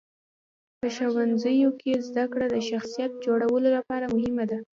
په ښوونځیو کې زدهکړه د شخصیت جوړولو لپاره مهمه ده.